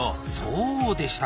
そうでしたか。